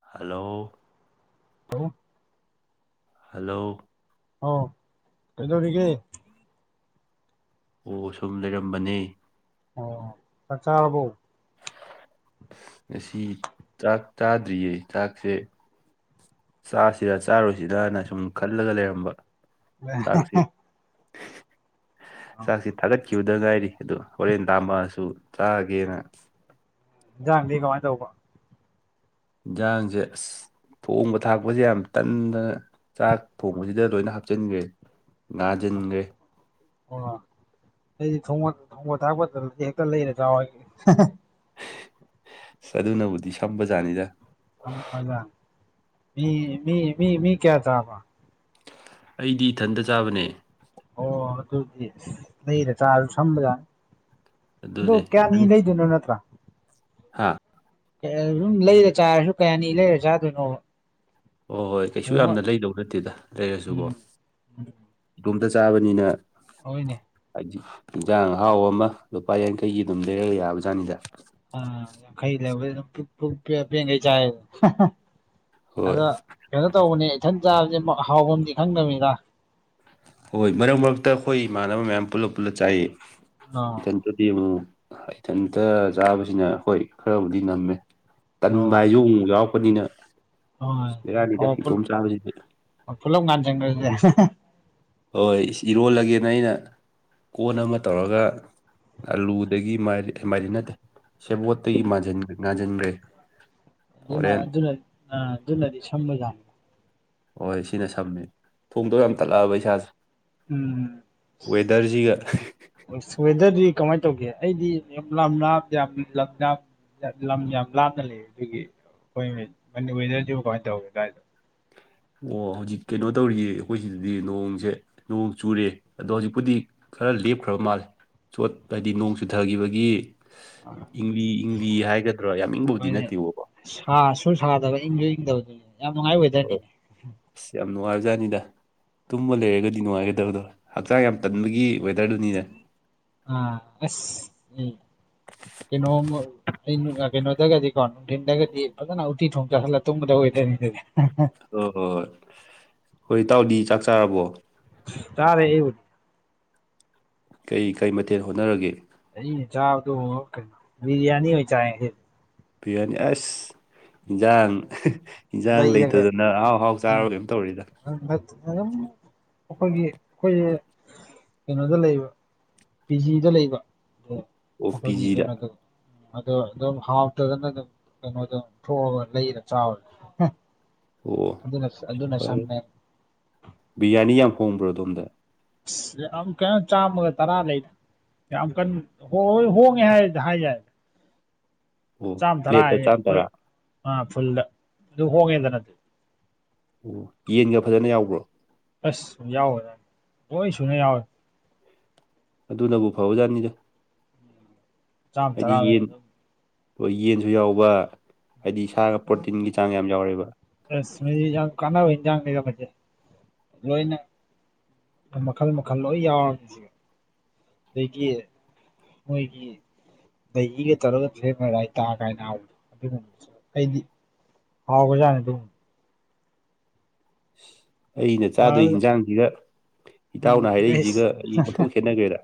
Hello hello hello ꯑꯣ ꯀꯩꯗꯧꯔꯤꯒ‌ꯦ ꯑꯣ ꯁꯨꯝ ꯂꯩꯔꯝꯕꯅ‌ꯦ ꯑꯣ ꯆꯥꯛ ꯆꯥꯔꯕꯣ ꯉꯁꯤ ꯆꯥꯛ ꯆꯥꯗ꯭ꯔꯤꯌꯦ ꯆꯥꯛꯁꯦ ꯆꯥꯁꯤꯔ ꯆꯥꯔ‌ꯣꯏꯁꯤꯔꯅ ꯁꯨꯝ ꯈꯜꯂꯒ ꯂꯩꯔꯝꯕ ꯆꯥꯛꯁꯤ ꯆꯥꯛꯁꯤ ꯊꯥꯒꯠ ꯀ꯭ꯌꯨꯗ ꯉꯥꯏꯔꯤ ꯑꯗꯨ ꯍꯣꯔꯦꯟ ꯂꯥꯝꯃꯛꯑꯁꯨ ꯆꯥꯒꯦꯅ ꯏꯟꯁꯥꯡꯗꯤ ꯀꯃꯥꯏꯟ ꯇꯧꯕ ꯏꯟꯖꯥꯡꯁꯦ ꯑꯁ ꯊꯣꯡꯕ ꯊꯥꯛꯄꯁꯦ ꯌꯥꯝ ꯇꯟꯗꯅ ꯆꯥꯛ ꯊꯣꯡꯕꯁꯤꯗ ꯂꯣꯏꯅ ꯍꯥꯞꯆꯤꯟꯈ꯭ꯔꯦ ꯉꯥꯟꯁꯤꯟꯈ꯭ꯔꯦ ꯑꯣ ꯑꯩꯗꯤ ꯊꯣꯡꯕ‌ꯣꯠ ꯊꯣꯡꯕ ꯊꯥꯛꯄ ꯇꯧꯔꯗꯤ ꯍꯦꯛꯇ ꯂꯩꯔ ꯆꯥꯎ ꯍꯥꯏꯖꯤꯟ ꯑꯁ ꯑꯗꯨꯅꯕꯨꯗꯤ ꯁꯝꯕ ꯖꯥꯠꯅꯤꯗ ꯐꯝꯃꯒ ꯃꯤ ꯃꯤ ꯃꯤ ꯃꯤ ꯀꯌꯥ ꯆꯥꯕꯅ‌ꯣ ꯑꯩꯗꯤ ꯏꯊꯟꯇ ꯆꯥꯕꯅꯦ ꯑꯣ ꯑꯗꯨꯗꯤ ꯂꯩꯔꯦ ꯆꯥꯁꯨ ꯁꯝꯕꯖꯥꯠꯅꯤ ꯑꯗꯣ ꯑꯗꯨꯅꯦ ꯀꯌꯥꯅꯤ ꯂꯩꯗꯨꯏꯅꫭ ꯅꯠꯇ꯭ꯔ ꯍꯥꯥ ꯑꯗꯨꯝ ꯂꯩꯔ ꯆꯥꯔꯁꯨ ꯀꯌꯥꯅꯤ ꯂꯩꯔ ꯆꯥꯗꯣꯏꯅꯣꯕ ꯍꯣꯏ ꯍꯣꯏ ꯀꯩꯁꯨ ꯊꯣꯡꯉ ꯌꯥꯝꯅ ꯂꯩꯗꯧ ꯅꯠꯇꯦꯗ ꯂꯩꯔꯁꯨꯀꯣ ꯎꯝ ꯏꯗꯣꯝꯇ ꯆꯥꯕꯅꯤꯅ ꯍꫭꯏꯅꯦ ꯍꯥꯏꯗꯤ ꯌꯦꯟꯖꯥꯡ ꯑꯍꯥꯎ ꯑꯃ ꯂꯨꯄꯥ ꯌꯥꯡꯈꯩꯒꯤ ꯑꯗꯨꯝ ꯂꯩꯔꯒ ꯌꯥꯕ ꯖꯥꯠꯅꯤꯗ ꯑ ꯌꯥꯡꯈꯩ ꯂꯩꯕꯗ ꯑꯗꯨꯝ ꯄꯨꯛ ꯄꯨꯛ ꯄꯦꯟ ꯄꯦꯟꯈꯥꯏ ꯆꯥꯏꯗꯨꯅꯦ ꯍꯣꯏ ꯑꯗꯣ ꯀꯩꯅꯣ ꯇꯧꯕꯅꯦ ꯏꯊꯟ ꯆꯥꯕꯁꯦ ꯍꯥꯎꯕꯝꯗꯤ ꯈꯪꯗꯕꯅꯤꯗ ꯍꯣꯏ ꯃꯔꯛ ꯃꯔꯛꯇ ꯑꯩꯈꯣꯏ ꯏꯃꯥꯟꯅꯕ ꯃꯌꯥꯝ ꯄꯨꯂꯞ ꯄꯨꯂꯞ ꯆꯥꯏꯌꯦ ꯑ ꯑꯗꯨꯗꯤ ꯑꯃꯨꯛ ꯏꯊꯟꯇ ꯆꯥꯕꯁꯤꯅ ꯍꫭꯏ ꯈꯔꯕꯨꯗꯤ ꯅꯝꯃꯦ ꯇꯟꯕ ꯍꯣꯏ ꯍꯥꯏꯁꯨ ꯑꯃꯨꯛ ꯑꯃꯨꯛ ꯌꯥꯎꯔꯛꯄꯅꯤꯅ ꯍꯣꯏ ꯚꯦꯔꯥꯅꯤꯗ ꯏꯇꯣꯝ ꯆꯥꯕꯁꯤꯗꯤ ꯐꯨꯂꯞ ꯉꯥꯟꯖꯤꯟ ꯈꯔꯁꯦ ꯍꯣꯏ ꯏꯔꯣꯜꯂꯒꯦꯅ ꯑꯩꯅ ꯀꯣꯟ ꯑꯃ ꯇꯧꯔꯒ ꯑꯜꯂꯨꯗꯒꯤꯗꯤ ꯃꯥꯏꯔꯦꯟ ꯃꯥꯏꯔꯦꯟ ꯅꯠꯇꯦ ꯁꯦꯕꫭꯠꯇꯒꯤ ꯃꯥꯟꯖꯤꯟ ꯉꯥꯟꯖꯤꯟꯈ꯭ꯔꯦ ꯑꯗꯨꯅ ꯑꯗꯨꯅ ꯑ ꯑꯗꯨꯅꯗꯤ ꯁꯝꯕꯖꯥꯠꯅꯤ ꯍꯣꯏ ꯁꯤꯅ ꯁꯝꯃꯦ ꯊꯣꯡꯗꯣ ꯌꯥꯝ ꯇꯠꯂꯛꯑꯕ ꯏꯁꯥꯁꯦ ꯎꯝ ꯋꯦꯗꯔꯁꯤꯒ ꯑꯣꯁ ꯋꯦꯗ꯭ꯔꯗꯤ ꯀꯃꯥꯏ ꯇꯧꯒꯦ ꯑꯩꯗꯤ ꯌꯥꯝ ꯂꯥꯝ ꯂꯥꯞ ꯌꯥꯝ ꯂꯝ ꯂꯥꯞ ꯂꯝ ꯌꯥꯝ ꯂꯥꯞꯅ ꯂꯩꯌꯦ ꯑꯗꯨꯒꯤ ꯑꯩꯈꯣꯏ ꯃꯅꯤ ꯋꯦꯗꯔꯗꯨꯕꯨ ꯀꯃꯥꯏꯅ ꯇꯧꯒꯦ ꯑꯗꯥꯏꯗꯣ ꯑꯣ ꯍꯧꯖꯤꯛ ꯀꯩꯅꯣ ꯇꯧꯔꯤꯌꯦ ꯑꯩꯈꯣꯏ ꯁꯤꯗꯗꯤ ꯅꯣꯡꯁꯦ ꯅꯣꯡ ꯆꯨꯔꯦ ꯑꯗꯣ ꯍꯧꯖꯤꯛꯄꯨꯗꯤ ꯈꯔ ꯂꯦꯞꯈ꯭ꯔꯕ ꯃꯥꯜꯂꯦ ꯆꯣꯠ ꯍꯥꯏꯗꯤ ꯅꯣꯡ ꯆꯨꯊꯈꯤꯕꯒꯤ ꯏꯪꯂꯤ ꯏꯪꯂꯤ ꯍꯥꯏꯒꯗ꯭ꯔꯥ ꯌꯥꯝ ꯏꯪꯕꯕꯨꯗꯤ ꯍꯣꯏꯅꯦ ꯅꯠꯇꯦꯕꯀꯣ ꯁꯥꯁꯨ ꯁꯥꯗꯕ ꯏꯪꯁꯨ ꯏꯗꯥꯕꯗꯨꯅꯤ ꯌꯥꯝ ꯅꯨꯡꯉꯥꯏ ꯋꯦꯗ꯭ꯔ ꯑꯣ ꯑꯁ ꯌꯥꯝ ꯅꯨꯡꯉꯥꯏꯕꯖꯥꯠꯅꯤꯗ ꯇꯨꯝꯕ ꯂꯩꯔꯒꯗꯤ ꯅꯨꯡꯉꯥꯏꯒꯗꯕꯗꯣ ꯍꯛꯆꯥꯡ ꯌꯥꯝ ꯇꯟꯕꯒꯤ ꯋꯦꯗꯔꯗꯨꯅꯤꯅꯦ ꯑ ꯑꯁ ꯑꯦ ꯀꯩꯅꯣꯝꯃ ꯎ ꯑꯩ ꯀꯩꯅꯣꯗꯒꯗꯤꯀꯣ ꯅꯨꯡꯊꯤꯟꯗꯒꯗꯤ ꯐꯖꯅ ꯎꯠꯇꯤ ꯊꯣꯡ ꯆꯈꯠꯂꯥ ꯇꯨꯝꯒꯗꯨꯕ ꯋꯦꯗ꯭ꯔꯅꯤ ꯑꯗꯨꯗꯤ ꯑꯣ ꯍꯣꯏ ꯍꯣꯏ ꯑꯩꯈꫭꯏ ꯏꯇꯥꯎꯗꯤ ꯆꯥꯛ ꯆꯥꯔꯕꯣ ꯇꯥꯔꯦ ꯑꯩꯏꯕꯨꯗꯤ ꯀꯩ ꯀꯩ ꯃꯊꯦꯜ ꯍꯣꯠꯅꯔꯒꯦ ꯑꯩꯅ ꯆꯥꯕꯗꯨꯕꯨ ꯀꯩꯅꫭ ꯕꯤꯔꯌꯥꯅꯤ ꯑꯣꯏ ꯆꯥꯏ ꯉꯁꯤꯗꯤ ꯕꯤꯔꯌꯥꯅꯤ ꯑꯁ ꯏꯟꯖꯥꯡ ꯌꯦꯟꯖꯥꯡ ꯂꯩꯔꯒ ꯂꯩꯇꯗꯅ ꯑꯍꯥꯎ ꯑꯍꯥꯎ ꯎꯝ ꯆꯥꯔꯕꯔ ꯀꯩꯅꫭꯝꯃ ꯇꯧꯔꯤꯗ [unintelligible] ꯑꯗꯨꯝ ꯑꯩꯈꯣꯏꯒꯤ ꯑꯩꯈꯣꯏꯁꯦ ꯀꯩꯅꯣꯗꯥ ꯂꯩꯕ ꯄꯤꯖꯤꯗꯥ ꯂꯩꯕ ꯑ ꯑꯣ ꯄꯤ ꯑꯩꯈꯣꯏꯒꯤ ꯖꯤꯗ ꯀꯩꯅꯣꯗꫭ ꯑꯗꯣ ꯑꯗꯨꯝ ꯍꯥꯎꯇ꯭ꯔꯒꯅ ꯑꯗꯨꯝ ꯀꯩꯅꯣꯗꯝ ꯊꯣꯛꯑꯒ ꯂꯩꯔ ꯆꯥꯎ ꯑꯣ ꯑꯗꯨꯅ ꯑꯗꯨꯅ ꯍꯣꯏ ꯁꯝꯃꯦ ꯕꯤꯔꯌꯥꯅꯤ ꯌꯥꯝ ꯍꯣꯡꯕ꯭ꯔꯣ ꯑꯗꯣꯝꯗ ꯑꯁ ꯌꯥꯝ ꯀꯩꯅꯣ ꯆꯥꯝꯃꯒ ꯇꯔꯥ ꯂꯩꯗꯥ ꯌꯥꯝ ꯀꯟꯅ ꯍꯣꯏ ꯍꯣꯏ ꯍꯣꯡꯉꯦ ꯍꯥꯏ ꯍꯥꯏ ꯌꯥꯏ ꯑꯣ ꯆꯥꯝ ꯊꯔꯥ ꯄ꯭ꯂꯦꯠꯇ ꯍꯥꯏꯌꯦ ꯆꯥꯝ ꯑꯩꯈꯣꯏ ꯇꯔꯥ ꯐꯨꯜꯗ ꯑꯗꯨ ꯍꯣꯡꯉꯦꯗꯅ [unintelligible] ꯑꯣ ꯌꯦꯟꯒ ꯐꯖꯅ ꯌꯥꯎꯕ꯭ꯔꯣ ꯑꯁ ꯌꯥꯎꯖꯥꯠꯅꯤ ꯂꯣꯏ ꯁꯨꯅ ꯌꯥꯎꯋꯦ ꯑꯗꯨꯅꯕꯨ ꯐꯥꯎꯖꯥꯠꯅꯤꯗ ꯆꯥꯝꯃ ꯍꯥꯏꯗꯤ ꯇꯔꯥꯗꯅ ꯌꯦꯟ ꯑꯗꯨꯝ ꯍꯣꯏ ꯌꯦꯟꯁꯨ ꯌꯥꯎꯕ ꯍꯥꯏꯗꯤ ꯁꯥꯔꯒ ꯄ꯭ꯔꯣꯇꯤꯟꯒꯤ ꯆꯥꯡ ꯌꯥꯝ ꯌꯥꯎꯔꯦꯕ ꯑꯁ ꯃꯁꯤ ꯌꯥꯝ ꯀꯥꯟꯅꯕ ꯏꯟꯖꯥꯡꯅꯤꯗ ꯃꯁꯤ ꯂꯣꯏꯅ ꯑ ꯃꯈꯜ ꯃꯈꯜ ꯂꯣꯏ ꯌꯥꯎꯔꯕꯅꯤ ꯁꯤꯗ ꯑꯗꯒꯤ ꯃꯣꯏꯒꯤ ꯈꯣꯍꯤꯒ ꯇꯧꯔꯒ [inaudible] ꯍꯥꯎꯒꯔꯖꯠꯅꯤ ꯑꯗꯨꯝ꯫ ꯑꯁ ꯑꯩꯅ ꯆꯥꯗꯣꯏ ꯐꯔꯕꯖꯥꯠꯅꯤ ꯏꯟꯖꯥꯡꯁꯤꯒ ꯏꯇꯥꯎꯅ ꯎꯝ ꯍꯥꯏꯔꯛꯏꯁꯤꯒ ꯑꯩꯁ ꯑꯩ ꯑꯣꯟꯊꯣꯛ ꯈꯦꯠꯅꯈ꯭ꯔꯦꯗ꯫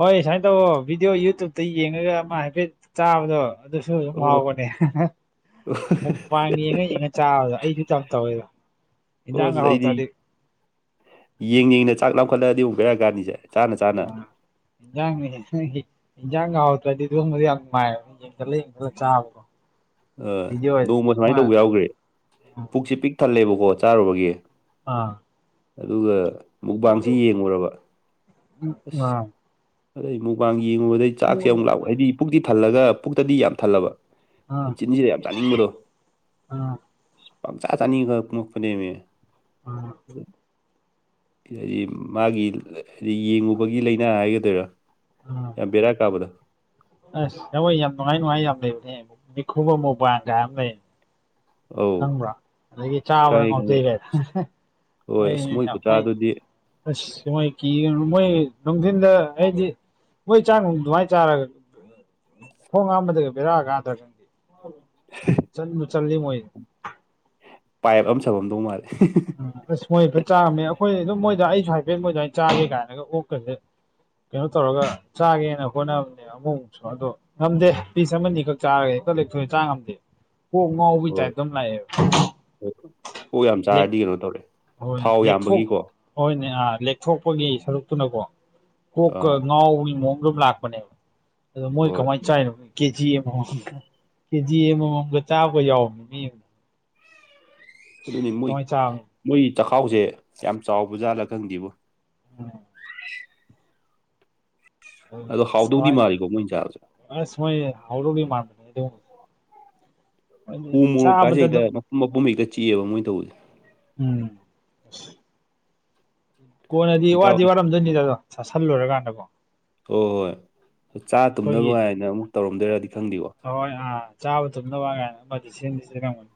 ꯍꯣꯏ ꯁꯨꯃꯥꯏꯅ ꯇꯧꯋꯣ ꯚꯤꯗꯤꯑꯣ ꯌꯨꯇꯨꯕꯇ ꯌꯦꯡꯉꯒ ꯑꯃ ꯍꯥꯏꯐꯦꯠ ꯆꯥꯕꯗꯣ ꯑꯗꯨꯁꯨ ꯑꯗꯨ ꯑꯣ ꯍꯥꯎꯕꯅꯦ ꯍꯦ ꯍꯦ ꯃꯨꯛꯕꯥꯡ ꯌꯦꯡꯉ ꯌꯦꯡꯉ ꯆꯥꯕꯗꯣ ꯑꯩꯖꯨ ꯌꯥꯝ ꯇꯧꯋꯦꯕ꯫ ꯑꯣ ꯏꯟꯖꯥꯡꯒ ꯑꯩꯗꯤ ꯍꯥꯎꯇꯥꯔꯗꯤ ꯌꯦꯡ ꯌꯦꯡꯅ ꯆꯥꯛ ꯂꯥꯝꯈꯠꯂꯗꯤ ꯕꯦꯔꯥꯀꯥꯟꯅꯤꯁꯦ ꯆꯥꯅ ꯆꯥꯅ ꯏꯟꯖꯥꯡ [inaudible] ꯏꯟꯖꯥꯡꯒ ꯍꯥꯎꯇ꯭ꯔꯗꯤ ꯑꯗꯨꯒꯨꯝꯕꯗꯨ ꯌꯥꯝ ꯅꯨꯉꯥꯏꯌꯦꯕ ꯌꯦꯡ ꯌꯦꯡ ꯆꯥꯕꯀꯣ ꯑ ꯅꯣꯡꯃ ꯁꯨꯃꯥꯏꯅ ꯇꯧꯕ ꯌꯥꯎꯈ꯭ꯔꯦ ꯄꯨꯛꯁꯦ ꯄꯤꯛ ꯊꯜꯂꯦꯕꯀꯣ ꯆꯥꯔꯨꯕꯒꯤ ꯑꯥ ꯑꯗꯨꯒ ꯃꯨꯛꯕꯥꯡꯁꯤ ꯌꯦꯡꯉꯨꯔꯕ ꯑꯁ ꯑꯥ ꯑꯗꯩ ꯃꯨꯛꯕꯥꯥꯡ ꯌꯦꯡꯉꯨꯕꯗꯩ ꯆꯥꯛꯁꯦ ꯑꯃꯨꯛ ꯂꯥꯝ ꯍꯥꯏꯗꯤ ꯄꯨꯛꯇꯤ ꯊꯜꯂꯒ ꯄꯨꯛꯇꯗꯤ ꯌꯥꯝ ꯊꯜꯂꯕ ꯑꯥ ꯆꯤꯟꯁꯤꯗ ꯌꯥꯝ ꯆꯥꯅꯤꯡꯕꯗꯣ ꯑꯥ ꯄꯪ ꯆꯥ ꯆꯥꯅꯤꯡꯉ ꯈꯥꯜꯂꯛꯄꯅꯦꯃꯦ꯫ ꯑꯥ [unintelligible] ꯀꯔꯤ ꯃꯥꯒꯤ ꯍꯥꯏꯗꯤ ꯌꯦꯡꯉꯨꯕꯒꯤ ꯂꯥꯏꯅꯥ ꯍꯥꯏꯒꯗꯣꯏꯔꯥ ꯑꯥ ꯌꯥꯝ ꯕꯦꯔꯥ ꯀꯥꯕꯗꯣ꯫ ꯑꯁ ꯑꯃ ꯌꯥꯝ ꯅꯨꯡꯉꯥꯏ ꯅꯨꯡꯉꯥꯏ ꯌꯥꯝ ꯂꯩꯕꯅꯦ ꯃꯤꯈꯨꯕ ꯃꯨꯛꯕꯥꯡ ꯀꯥꯏꯅ ꯑꯃ ꯂꯩ ꯑꯧ ꯈꯪꯕ꯭ꯔꯥ ꯑꯗꯒꯤ ꯆꯥꯕ꯭ꯔꯥ ꯈꯪꯉꯦ ꯈꯪꯉꯦ ꯉꯥꯎꯖꯩ ꯀꯥꯏ ꯍꯣꯏ ꯃꯣꯏ ꯑꯁ ꯌꯥꯝ ꯃꯣꯏ ꯈꯨꯆꯥꯗꯨꯗꯤ ꯑꯁ ꯃꯣꯏ ꯀꯤ ꯃꯣꯏ ꯅꯨꯡꯊꯤꯟꯗ ꯍꯥꯏꯗꯤ ꯃꯣꯏ ꯆꯥꯡ ꯑꯗꯨꯃꯥꯏꯅ ꯆꯥꯔꯒ ꯈꯣꯡ ꯍꯥꯝꯕꯗꯒ ꯕꯦꯔꯥ ꯀꯥꯗ꯭ꯔ ꯈꯪꯗꯦ ꯆꯟꯕꯨ ꯆꯜꯂꯤ ꯃꯣꯏ ꯄꯥꯏꯞ ꯑꯃ ꯁꯥꯃꯝꯗꯧ ꯃꯥꯜꯂꯦ ꯎꯝ ꯑꯁ ꯃꯣꯏ ꯐꯖꯟ ꯆꯥꯕꯅꯦ ꯑꯩꯈꯣꯏ ꯑꯗꯨꯝ ꯃꯣꯏꯗ ꯑꯩꯁꯨ ꯍꯥꯏꯐꯦꯠ ꯃꯣꯏꯗ ꯑꯗꯨꯃꯥꯏ ꯆꯥꯒꯦ ꯀꯥꯏꯅꯒ ꯑꯣꯛꯀꯁꯦ ꯀꯩꯅꯣ ꯇꯧꯔꯒ ꯆꯥꯒꯦꯅ ꯍꯣꯠꯅꯕꯅꯦ ꯑꯃꯃꯨꯛ ꯑꯗꯣ ꯉꯝꯗꯦ ꯄꯤꯁ ꯑꯃꯅꯤ ꯈꯛ ꯆꯥꯔꯒ ꯂꯦꯛꯊꯣꯛꯏ ꯆꯥ ꯉꯝꯗꯦ꯫ ꯀꯣꯛ ꯉꯥꯎꯕꯒꯤ ꯇꯥꯏꯞꯇ ꯑꯃ ꯂꯥꯛꯑꯦꯕ ꯑꯣ ꯑꯣꯛ ꯂꯦꯛ ꯆꯥꯔꯗꯤ ꯀꯩꯅꯣ ꯇꯧꯔꯛꯌꯦ ꯍꯣꯏ ꯊꯥꯎ ꯂꯦꯛꯊꯣꯛ ꯌꯥꯝꯕꯒꯤꯀꯣ꯫ ꯍꯣꯏꯅꯦ ꯑꯥ ꯂꯦꯛꯊꯣꯛꯄꯒꯤ ꯁꯔꯨꯛꯇꯨꯅꯀꯣ ꯀꯣꯛꯀ ꯑꯥ ꯉꯥꯎꯕꯒꯤ ꯃꯑꯣꯡꯗ ꯂꯥꯛ ꯑꯗꯣ ꯃꯣꯏ ꯍꯣꯏ ꯀꯃꯥꯏꯅ ꯆꯥꯏꯅꯣ ꯈꯪꯗꯦ꯫ ꯀꯦ ꯖꯤ ꯑꯃꯃꯝꯒ ꯀꯦꯖꯤ ꯑꯃꯃꯝꯒ ꯆꯥꯕꯒ ꯌꯥꯎꯕꯅꯦ ꯃꯤ ꯑꯝꯅ꯫ ꯑꯗꯨꯅꯤ ꯃꯣꯏ ꯀꯃꯥꯏꯅ ꯆꯥꯕꯅꯣ ꯃꯣꯏ ꯆꯈꯥꯎꯁꯦ ꯌꯥꯝ ꯆꯥꯎꯕ ꯖꯥꯠꯂꯥ ꯈꯪꯗꯦꯕꯨ꯫ ꯑꯝ꯫ ꯑꯗꯣ ꯍꯥꯎꯗꯧꯗꯤ ꯃꯥꯂꯤꯀꯣ ꯃꯣꯏ ꯆꯥꯕꯁꯦ꯫ ꯑꯁꯨ ꯃꯣꯏ ꯍꯥꯎꯗꯧꯗꯤ ꯃꯥꯟꯕꯅꯦ ꯑꯗꯣ ꯎ ꯃꯣꯔꯣꯛꯀꯥꯁꯦ ꯆꯥꯕꯗ ꯍꯦꯛꯇ ꯑꯗꯨꯝ ꯃꯄꯨꯝ ꯃꯄꯨꯝ ꯍꯛꯇ ꯆꯤꯑꯦꯕ ꯃꯣꯏꯅ ꯇꯧꯕꯁꯦ꯫ ꯎꯝ꯫ ꯑꯁ ꯀꯣꯟꯅꯗꯤ ꯏꯇꯥꯎ ꯋꯥꯗꯤ ꯍꯣꯏ ꯋꯥꯔꯝꯗꯣꯏꯅꯤꯗ ꯑꯗꯣ ꯆꯁꯤꯜꯂꯨꯔ ꯀꯥꯟꯗꯀꯣ꯫ ꯍꯣꯏ ꯍꯣꯏ ꯆꯥ ꯇꯨꯝꯅꯕ ꯀꯥꯏꯅ ꯑꯃꯨꯛ ꯇꯧꯔꯝꯗꯣꯏꯔꯗꯤ ꯈꯪꯗꯦꯀꯣ꯫ ꯍꯣꯏ ꯍꯣꯏ ꯑꯥ ꯆꯥꯕ ꯇꯨꯝꯅꯕ ꯀꯥꯏꯅ ꯑꯃꯗꯤ ꯁꯤꯟꯗꯤ ꯁꯤꯟꯂꯝꯒꯅꯤ꯫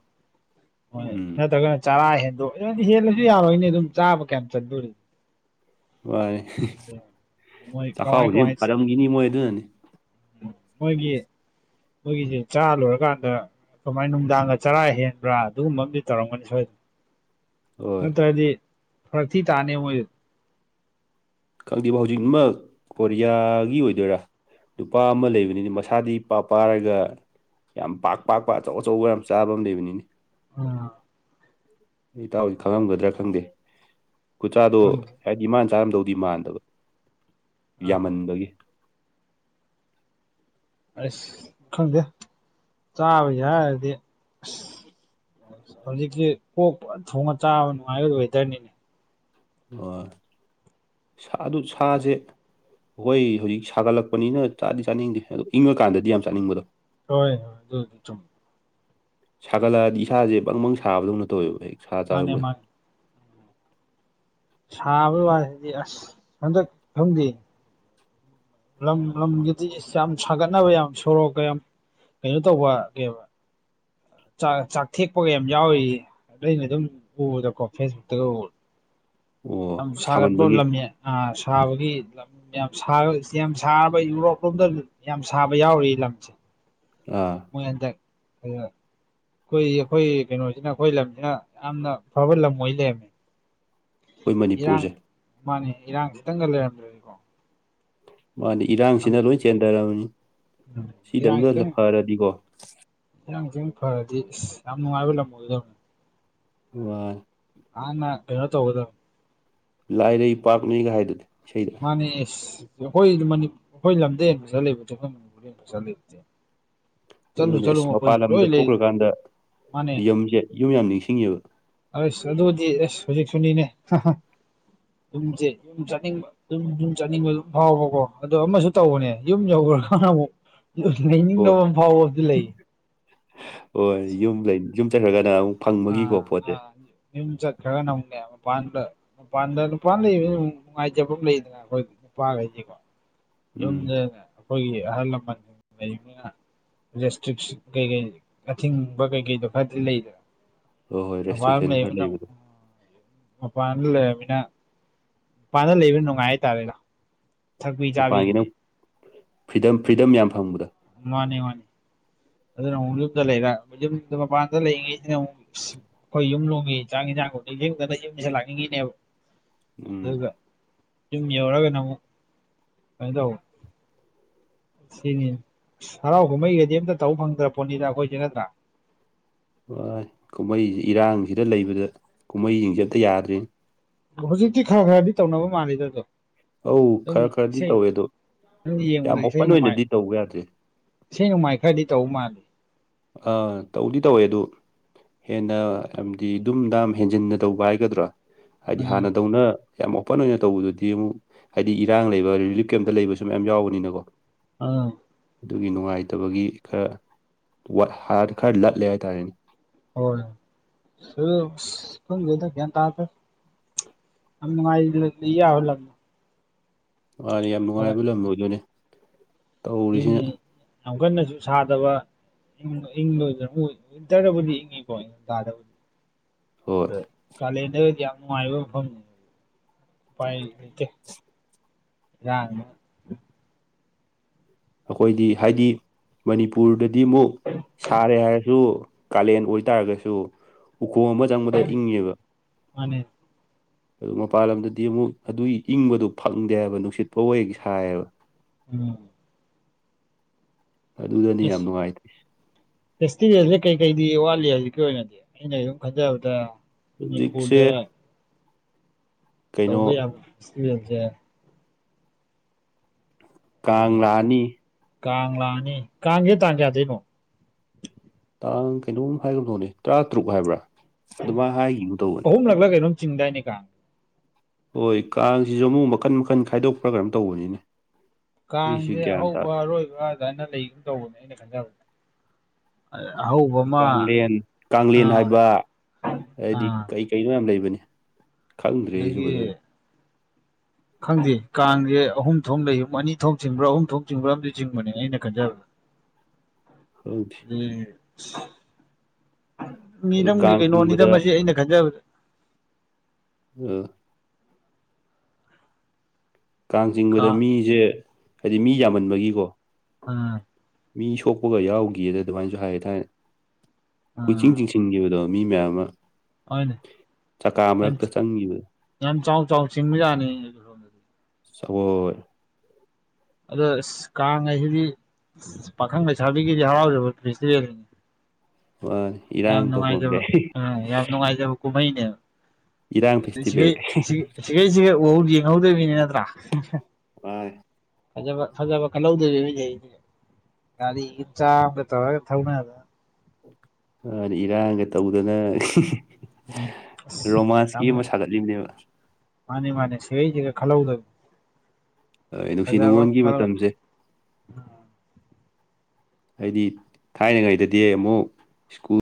ꯍꯣꯏ ꯎꯝ ꯅꯠꯇ꯭ꯔꯒꯅ ꯆꯥꯔꯥ ꯍꯦꯟꯗꯣꯛ ꯑꯗꯨꯗꯤ ꯍꯦꯜꯂꯁꯨ ꯌꯥꯔꯣꯏ ꯑꯅꯦ ꯑꯗꯨꯝ ꯆꯥꯕ ꯀꯌꯥꯝ ꯆꯥꯟꯗꯣꯔꯤ ꯃꯥꯟꯅꯦ ꯃꯣꯏ ꯀꯃꯥꯏ ꯆꯈꯥꯎꯗꯤ ꯐꯔꯝꯒꯤꯅꯤ ꯃꯣꯏ ꯑꯗꯨꯅꯅꯤ꯫ ꯎꯝ ꯃꯣꯏꯒꯤ ꯃꯣꯏꯒꯤꯁꯦ ꯆꯥ ꯂꯣꯏꯔꯀꯥꯟꯗ ꯀꯃꯥꯏꯅ ꯅꯨꯡꯗꯥꯡꯒ ꯆꯔꯥ ꯍꯦꯟꯕ꯭ꯔꯥ ꯑꯗꯨꯒꯨꯝꯕ ꯑꯃꯗꯤ ꯇꯧꯔꯝꯒꯅꯤ ꯁꯣꯏꯗꯅ꯫ ꯍꯣꯏ ꯅꯠꯇ꯭ꯔꯗꯤ ꯐꯔ ꯊꯤ ꯇꯥꯅꯤꯕ ꯃꯣꯏꯗꯨ꯫ ꯈꯪꯗꯦꯕꯣ ꯍꯧꯖꯤꯛ ꯑꯃ ꯀꯣꯔꯤꯌꯥꯒꯤ ꯑꯣꯏꯗꯣꯏꯔꯥ- ꯅꯨꯄꯥ ꯑꯃ ꯂꯩꯕꯅꯤꯅ ꯃꯁꯥꯗꯤ ꯏꯄꯥ ꯄꯥꯔꯒ ꯌꯥꯝ ꯄꯥꯛ ꯄꯥꯛꯄ ꯑꯆꯧ ꯑꯆꯧꯕ ꯌꯥꯝ ꯆꯥꯕ ꯑꯃ ꯂꯩꯕꯅꯤꯅꯦ ꯎꯝ꯫ ꯏꯇꯥꯎꯗꯤ ꯈꯪꯉꯝꯒꯗ꯭ꯔꯥ ꯈꯪꯗꯦ ꯈꯨꯆꯥꯗꯣ ꯈꯪꯗꯦ ꯍꯥꯏꯗꯤ ꯃꯥꯅ ꯆꯥꯔꯝꯗꯧꯗꯤ ꯃꯥꯟꯗꯕ ꯑꯥ ꯌꯥꯝꯃꯟꯕꯒꯤ ꯑꯁ ꯈꯪꯗꯦ ꯆꯥꯕ ꯌꯥꯔꯗꯤ ꯑꯁ ꯍꯧꯖꯤꯛꯇꯤ ꯑꯣꯛ ꯐꯥꯖꯟ ꯊꯣꯡꯉ ꯆꯥꯕ ꯅꯨꯡꯉꯥꯏꯕ ꯋꯦꯗꯔꯅꯤꯅꯦ ꯑ ꯑꯗꯨ ꯁꯥꯁꯦ ꯍꯣꯏ ꯍꯧꯖꯤꯛ ꯁꯥꯒꯠꯂꯛꯄꯅꯤꯅ ꯆꯥꯗꯤ ꯆꯥꯅꯤꯡꯗꯦ ꯑꯗꯣ ꯏꯪꯉꯀꯥꯟꯗꯗꯤ ꯌꯥꯝ ꯆꯥꯅꯤꯡꯕꯗꯣ ꯍꯣꯏ ꯍꯣꯏ ꯑꯗꯨ ꯑꯗꯨ ꯆ ꯁꯥꯒꯠꯂꯛꯑꯗꯤ ꯏꯁꯥꯁꯦ ꯕꯪꯕꯪ ꯁꯥꯕꯗꯧꯅ ꯇꯧꯋꯦꯕ ꯍꯦꯛ ꯁꯥ ꯃꯥꯅꯦ ꯆꯥꯔꯛꯄꯩ ꯃꯥꯅꯦ ꯁꯥꯕꯒꯤ ꯋꯥꯁꯤꯗꯤ ꯑꯁ ꯍꯟꯗꯛ ꯈꯪꯗꯦ ꯂꯝ ꯂꯝꯒꯤꯗꯤ ꯌꯥꯝ ꯁꯥꯒꯠꯅꯕ ꯌꯥꯝ ꯁꯣꯔꯣꯛꯀ ꯌꯥꯝ ꯀꯩꯅꯣ ꯇꯧꯕ ꯀ ꯥꯛ ꯆꯥꯛꯊꯦꯛꯄꯒ ꯌꯥꯝ ꯌꯥꯎꯏ ꯑꯩꯅ ꯑꯗꯨꯝ ꯎꯕꯗꯀꯣ ꯐꯦꯁꯕꯨꯛꯇꯒ ꯎꯕꯗ ꯌꯥꯝ ꯑꯣ ꯁꯥꯒꯠꯄ ꯁꯥꯃꯟꯕꯒꯤ ꯂꯝꯃꯦ ꯑ ꯁꯥꯕꯒꯤ ꯌꯥꯝ ꯁꯥꯕ ꯌꯥꯝ ꯁꯥꯔꯕ ꯌꯨꯔꯣꯞ ꯂꯣꯝꯗ ꯌꯥꯝ ꯁꯥꯕ ꯌꯥꯎꯔꯤ ꯂꯝꯁꯦ ꯑꯥ ꯃꯣꯏ ꯍꯟꯗꯛ ꯑꯗꯨ ꯑꯩꯈꯣꯏ ꯑꯩꯈꯣꯏ ꯀꯩꯅꯣꯁꯤꯅ ꯑꯩꯈꯣꯏ ꯂꯝꯁꯤꯅ ꯌꯥꯝꯅ ꯐꯕ ꯂꯝ ꯑꯣꯏꯅ ꯂꯩꯔꯝꯃꯦ ꯑꯩꯈꯣꯏ ꯏꯔꯥꯡ ꯃꯅꯤꯄꯨꯔꯁꯦ ꯃꯥꯅꯦ ꯏꯔꯥꯡ ꯈꯤꯇꯪꯒ ꯂꯩꯔꯝꯃꯦ꯭ꯔꯦ ꯃꯥꯗꯤ ꯎꯝ ꯏꯔꯥꯡꯁꯤꯅ ꯂꯣꯏ ꯆꯦꯟꯊꯔꯔꯕꯅꯤ ꯁꯤꯗꯪꯗ ꯐꯔꯗꯤꯀꯣ ꯏꯔꯥꯡꯖꯤꯅ ꯐꯔꯗꯤ ꯌꯥꯝ ꯅꯨꯡꯉꯥꯏꯕ ꯂꯝ ꯑꯣꯏꯗꯕꯅꯤ ꯋꯥꯏ ꯅꯍꯥꯟꯅ ꯀꯩꯅꯣ ꯇꯧꯒꯗꯕ ꯂꯥꯏꯔꯩ ꯄꯥꯛꯅꯤꯒ ꯍꯥꯏꯗꯨꯗꯤ ꯏꯁꯩ ꯃꯥꯅꯦ ꯑꯩꯈꯣꯏ ꯑꯩꯈꯣꯏ ꯂꯝꯗ ꯍꯦꯟ ꯐꯁꯟ ꯂꯩꯕꯁꯦ ꯑꯩꯈꯣꯏ ꯃꯅꯤꯄꯨꯔꯗ ꯍꯦꯟ ꯄꯁꯟ ꯂꯩꯕꯁꯦ ꯑꯗꯨꯅꯦ ꯑꯁ ꯃꯄꯥꯟ ꯂꯣꯏ ꯂꯝꯗ ꯂꯩ ꯊꯣꯛꯈ꯭ꯔꯀꯥꯟꯗ ꯃꯥꯅꯦ ꯌꯨꯝꯁꯦ ꯌꯨꯝ ꯌꯥꯝ ꯅꯤꯡꯁꯤꯡꯉꯦꯕ ꯑꯁ ꯑꯗꯨꯗꯤ ꯑꯦꯁ ꯍꯧꯖꯤꯛꯁꯨꯅꯤꯅꯦ ꯍꯥꯍꯥ ꯌꯨꯝꯁꯦ ꯌꯨꯝ ꯆꯥꯠꯅꯤꯡꯕ ꯑꯗꯨꯝ ꯌꯨꯝ ꯆꯥꯠꯅꯤꯡꯕ ꯑꯗꯨꯝ ꯐꯥꯎꯕꯀꯣ ꯑꯗꯣ ꯑꯃꯁꯨ ꯇꯧꯕꯅꯦ ꯌꯨꯝ ꯌꯧꯈ꯭ꯔꯀꯥꯟꯗ ꯑꯃꯨꯛ ꯍꯣꯏ ꯂꯩꯅꯤꯡꯗꯕ ꯑꯃ ꯐꯥꯎꯕꯕꯗꯤ ꯂꯩꯌꯦ ꯍꯣꯏ ꯌꯨꯝ ꯂꯩ ꯌꯨꯝ ꯆꯠꯈ꯭ꯔꯒꯅ ꯑꯃꯨꯛ ꯑꯥ ꯐꯪꯕꯒꯤꯀꯣ ꯄꯣꯠꯁꯦ ꯑꯥ ꯌꯨꯝ ꯆꯠꯈꯔꯥꯒꯅ ꯑꯃꯨꯛꯅꯦ ꯃꯄꯥꯟꯗ ꯃꯄꯥꯟꯗ ꯅꯨꯄꯥ ꯂꯩꯕ ꯅꯨꯡꯉꯥꯏꯖꯕ ꯑꯃ ꯂꯩꯗꯅ ꯑꯩꯈꯣꯏ ꯅꯨꯄꯥꯈꯩꯁꯦꯀꯣ ꯎꯝ ꯌꯨꯝꯗꯅ ꯑꯩꯈꯣꯏꯒꯤ ꯑꯍꯜ ꯂꯃꯟ ꯂꯩꯕꯅꯤꯅ ꯔꯦꯁꯇ꯭ꯔꯤꯛ ꯀꯩꯀꯩ ꯑꯊꯤꯡꯕ ꯀꯩꯀꯩꯗꯣ ꯈꯔꯗꯤ ꯂꯩꯗꯅ ꯍꯣꯏ ꯍꯣꯏ ꯑꯄꯥꯝ ꯔꯦꯁꯇ꯭ꯔꯤꯛꯁꯟ ꯈꯔ ꯂꯩꯃꯤꯅ ꯂꯩꯕꯗꯣ ꯑꯄꯥꯟꯗ ꯂꯩꯔꯅꯤꯅ ꯄꯥꯟꯗ ꯂꯩꯕ ꯅꯨꯡꯉꯥꯏ ꯍꯥꯏ ꯇꯥꯔꯦꯅ ꯃꯄꯥꯟꯒꯤ ꯅ ꯐ꯭ꯔꯤꯗꯝ ꯐ꯭ꯔꯤꯗꯝ ꯌꯥꯝ ꯐꯪꯕꯗ ꯃꯥꯅꯦ ꯃꯥꯅꯦ ꯑꯗꯨꯅ ꯑꯃꯨꯛ ꯌꯨꯝꯗ ꯂꯩꯔ ꯌꯨꯝꯗ ꯃꯄꯥꯟꯗ ꯂꯩꯪꯂꯤ ꯑꯩꯈꯣꯏ ꯌꯨꯝ ꯂꯣꯝꯒꯤ ꯆꯥꯛ ꯑꯦꯟꯁꯥꯟ ꯃꯨꯛ ꯅꯤꯡꯖꯤꯡꯗꯅ ꯌꯨꯝꯗ ꯌꯨꯝꯁꯤ ꯂꯥꯛꯅꯤꯡꯉꯤꯅꯦꯕ ꯎꯝ ꯑꯗꯨꯒ ꯌꯨꯝ ꯌꯧꯔꯒꯅ ꯑꯃꯨꯛ ꯀꯩ ꯇꯋ ꯁꯤꯅꯤ ꯍꯔꯥꯎ ꯀꯨꯝꯍꯩꯒꯗꯤ ꯑꯝꯇ ꯇꯧꯕ ꯐꯪꯗ꯭ꯔ ꯄꯣꯠꯅꯤꯅ ꯑꯩꯈꯣꯏꯁꯦ ꯅꯠꯇ꯭ꯔꯥ ꯍꯣꯏ ꯀꯨꯝꯍꯩꯁꯤꯦ ꯏꯔꯥꯡꯁꯤꯗ ꯂꯩꯕꯗ ꯀꯨꯝꯍꯩꯁꯤꯡꯁꯦ ꯑꯝꯇ ꯌꯥꯗ꯭ꯔꯤꯅꯤ ꯍꯧꯖꯤꯛꯇꯤ ꯈꯔ ꯈꯔꯗꯤ ꯇꯧꯅꯕ ꯃꯥꯥꯟꯜꯂꯤꯗ ꯑꯗꯣ ꯑꯧ ꯑꯗꯨꯝ ꯈꯔ ꯈꯔꯗꯤ ꯏꯁꯩ ꯇꯧꯋꯦ ꯑꯗꯣ ꯅꯪ ꯌꯥꯝ ꯌꯦꯡꯕꯗ ꯏꯁꯩ ꯑꯣꯄꯟ ꯅꯨꯡꯉꯥꯏ ꯑꯣꯏꯅꯗꯤ ꯇꯧꯕ ꯌꯥꯗ꯭ꯔꯦ ꯏꯁꯩ ꯅꯣꯡꯃꯥꯏ ꯈꯔꯗꯤ ꯇꯧ ꯃꯥꯜꯂꯜꯂꯤ ꯑꯥ ꯇꯧꯗꯤ ꯇꯧꯋꯦ ꯑꯗꯨ ꯍꯦꯟꯅ ꯍꯥꯏꯗꯤ ꯑꯗꯨꯝ ꯗꯥꯝ ꯍꯦꯟꯖꯤꯟꯅ ꯇꯧꯕ ꯍꯥꯏꯒꯗ꯭ꯔꯥ ꯍꯥꯏꯗꯤ ꯎꯝ ꯍꯥꯟꯅꯗꯧꯅ ꯌꯥꯝ ꯑꯣꯄꯟ ꯑꯣꯏꯅ ꯇꯧꯕꯗꯨꯗꯤ ꯑꯃꯨꯛ ꯍꯥꯏꯗꯤ ꯏꯔꯥꯡ ꯂꯩꯕ ꯔꯤꯂꯤꯐ ꯀꯦꯝꯇ ꯂꯩꯕꯁꯨ ꯃꯌꯥꯝ ꯌꯥꯎꯕꯅꯤꯅꯀꯣ ꯑꯥ ꯑꯗꯨꯒꯤ ꯅꯨꯡꯉꯥꯏꯇꯕꯒꯤ ꯈꯔ ꯍꯥꯔ ꯀꯥꯗ ꯂ ꯂꯩ ꯍꯥꯏ ꯇꯔꯅꯤ [unintelligible] ꯍꯣꯏ ꯁ ꯈꯪꯗ꯭ꯔꯦꯗ ꯒ꯭ꯌꯥꯟ ꯇꯗ꯭ꯔꯦ ꯌꯥꯝ ꯅꯨꯡꯉꯥꯏꯅ ꯂꯩ ꯌꯕ ꯂꯝꯅꯤ ꯃꯥꯅꯤ ꯌꯥꯝ ꯈꯔ ꯅꯨꯡꯉꯥꯏꯕ ꯂꯝꯕ ꯑꯣꯏꯗꯨꯅꯦ ꯑꯗꯨꯅꯤ ꯌꯥꯝ ꯀꯟꯅꯁꯨ ꯁꯥꯗꯕ ꯪ ꯏꯪ ꯂꯣꯏꯗ꯭ꯔ ꯋꯤꯟꯇꯔꯗꯕꯨꯗꯤ ꯏꯪꯉꯤꯀꯣ ꯏꯊꯝ ꯊꯗꯕꯨꯗꯤ ꯍꯣꯏ ꯀꯂꯦꯟꯗꯒꯗꯤ ꯌꯥꯝ ꯅꯨꯡꯉꯥꯏꯕ ꯃꯐꯝ ꯅꯤ ꯌꯥ [unintelligible] ꯑꯩꯈꯣꯏꯗꯤ ꯍꯥꯏꯗꯤ ꯃꯅꯤꯄꯨꯔꯗꯗꯤ ꯑꯃꯨꯛ ꯁꯥꯔꯦ ꯍꯥꯏꯔꯁꯨ ꯀꯥꯂꯦꯟ ꯑꯣꯏꯇꯥꯔꯒꯁꯨ ꯎꯈꯣꯡ ꯑꯃ ꯆꯪꯕꯗ ꯏꯪꯉꯦꯕ ꯃꯥꯅꯦ ꯑꯗꯨ ꯃꯄꯥꯟ ꯂꯝꯗꯗꯤ ꯑꯃꯨꯛ ꯑꯗꯨꯒꯤ ꯏꯪꯕꯗ ꯐꯪꯗꯦꯕ ꯅꯨꯡꯁꯤꯠ ꯐꯥꯎ ꯍꯦꯛ ꯁꯥꯏꯑꯕ ꯎꯝ ꯑꯗꯨꯗꯅꯤ ꯌꯥꯝ ꯏꯁ ꯅꯨꯡꯉꯥꯏꯇꯦ ꯐꯦꯁꯇꯤꯚꯦꯜꯁꯦ ꯀꯩꯀꯩꯗꯤ ꯋꯥꯠꯂꯤ ꯍꯧꯖꯤꯛꯀꯤ ꯑꯣꯏꯅꯗꯤ ꯑꯩ ꯁꯨꯝ ꯈꯟꯖꯕꯗ ꯍꯧꯖꯤꯛꯁꯦ ꯃꯅꯤꯄꯨꯔꯗ ꯀꯩꯅꯣ ꯇꯕꯨ ꯌꯥꯖꯦ [unintelligible] ꯀꯪꯂꯥꯑꯅꯤ ꯀꯥꯡ ꯂꯥꯛꯑꯅꯤ ꯀꯥꯡꯁꯦ ꯇꯥꯟ ꯀꯌꯥꯗꯩꯅꯣ ꯇꯥꯡ ꯀꯩꯅꯣꯝ ꯍꯥꯏꯈꯕꯗꯧꯅꯦ ꯇꯔꯥ ꯇꯔꯨꯛ ꯍꯥꯏꯕ꯭ꯔꯥ ꯑꯗꯨꯃꯅ ꯍꯥꯏꯈꯤꯕꯗꯧꯕ ꯍ ꯂꯥꯛꯂꯒꯩꯅꯣ ꯆꯤꯡꯗꯥꯏꯅꯤ ꯀꯥꯏ [unintelligible] ꯍꯣꯏ ꯀꯥꯡꯁꯤꯁꯨ ꯑꯃꯨꯛ ꯃꯈꯟ ꯃꯈꯟ ꯈꯥꯏꯗꯣꯛꯄ꯭ꯔꯥ ꯀꯩꯅꯝ ꯇꯧꯕꯅꯤꯅꯦ ꯑꯩꯁꯨ ꯀꯥꯡꯁꯦ ꯒ꯭ꯌꯥꯟ ꯑꯍꯧꯕ ꯇꯥꯗꯦ ꯑꯔꯣꯏꯕ ꯐꯖꯅ ꯂꯩꯒꯨꯝ ꯇꯧꯕꯅꯦ ꯑꯩꯅ ꯈꯟꯖꯕꯗ ꯑꯍꯧꯕ ꯑꯃ ꯀꯦꯡꯂꯦꯟ ꯀꯦꯡꯂꯦꯟ ꯑꯥ ꯍꯥꯏꯕ ꯍꯥꯏꯗꯤ ꯑꯥ ꯀꯩ ꯀꯩꯅꯣ ꯃꯌꯥꯝ ꯂꯩꯕꯅꯤ ꯈꯪꯗ꯭ꯔꯦ ꯑꯩꯁꯨ ꯑꯗꯒꯤ ꯐꯖꯅ ꯈꯪꯗꯦ ꯀꯥꯡꯁꯦ ꯑꯍꯨꯝ ꯊꯣꯛ ꯂꯩ ꯑꯅꯤ ꯊꯣꯛ ꯆꯤꯡꯕ꯭ꯔꯥ ꯑꯍꯨꯝ ꯊꯣꯛ ꯆꯤꯡꯕ꯭ꯔꯥ ꯑꯝ ꯆꯤꯡꯕꯅꯦ ꯑꯩꯅ ꯈꯟꯖꯕꯒꯦ [inaudible] ꯈꯪꯗꯦ ꯑꯦ ꯑꯗꯨ ꯃꯤꯔꯝꯒꯤ ꯀꯥꯡ ꯀꯩꯅꯣ ꯅꯤꯗ ꯆꯤꯡꯕꯗ ꯑꯁꯤ ꯑꯩꯅ ꯈꯟꯖꯕꯗ ꯑꯣ ꯀꯥꯡ ꯆꯤꯡꯕꯗ ꯃꯤꯁꯦ ꯍꯥꯏꯗꯤ ꯃꯤ ꯌꯥꯝꯃꯟꯕꯒꯤꯀꯣ ꯎꯝ ꯃꯤ ꯁꯣꯛꯄꯒ ꯌꯥꯎꯈꯤꯨꯗ ꯑꯗꯨꯃꯥꯏꯅꯁꯨ ꯍꯥꯏ ꯊꯥꯏ ꯑꯥ ꯀꯨꯏꯆꯤꯡ ꯆꯤꯡꯁꯤꯟꯈꯤꯕꯗꯣ ꯃꯤ ꯃꯌꯥꯝ ꯑꯃ ꯍꯅꯦ ꯆꯀꯥ ꯌꯥꯝ ꯃꯔꯛꯇ ꯆꯪꯈꯤꯕꯗꯣ ꯌꯥꯝ ꯆꯥꯎ ꯆꯥꯎ ꯖꯥꯅꯤ ꯁꯣꯏ ꯑꯗꯣ ꯑ ꯀꯥꯡ ꯍꯥꯏꯁꯤꯗꯤ ꯄꯥꯈꯪ ꯂꯩꯁꯥꯕꯤꯒꯤꯗꯤ ꯍꯔꯥꯎꯖꯕ ꯐꯦꯁꯇꯤꯚꯦꯜꯅꯤ ꯃꯥꯅꯤ ꯌꯥꯝ ꯏꯔꯥꯡ ꯇꯧꯐꯝ ꯅꯨꯡꯉꯥꯏꯖꯕ ꯀꯥꯏ ꯑ ꯌꯥꯝ ꯅꯨꯡꯉꯥꯏꯖꯕ ꯀꯨꯝꯍꯩꯅꯦꯕ ꯏꯔꯥꯡ ꯁꯤ ꯐꯦꯁꯇꯤꯚꯦꯜ ꯀꯥꯏ ꯁꯤꯈꯩ ꯁꯤꯒꯩ ꯎꯍꯧ ꯌꯦꯡꯍꯧꯗꯣꯏꯔꯤꯕꯅꯤ ꯅꯠꯇ꯭ꯔꯥ ꯍ ꯐꯖꯕ ꯐꯖꯕ ꯀꯜꯍꯧꯗꯣꯏꯕ ꯍꯧꯁꯦ ꯑꯩꯁ ꯒꯥꯔꯤꯒꯤ ꯆꯥꯗ ꯇꯧꯔꯒ ꯊꯧꯅꯗꯅ ꯏꯔꯥꯡꯒ ꯇꯧꯗꯅ ꯎꯝ ꯑꯁ ꯔꯣꯃꯥꯟꯁꯀꯤ ꯑꯃ ꯁꯥꯒꯠꯂꯤꯕꯅꯦꯕ ꯃꯥꯅꯦ ꯃꯥꯅꯦ ꯁꯤꯒ ꯈꯜꯂꯧꯗꯕ ꯅꯨꯡꯁꯤ ꯅꯨꯡꯉꯣꯟꯜꯒꯤ ꯈꯜꯍꯧ ꯃꯇꯝꯁꯦ ꯍꯥꯏꯗꯤ ꯊꯥꯏꯅꯉꯩꯗꯗꯤ ꯑꯃꯨꯛ ꯁ꯭ꯀꯨꯜ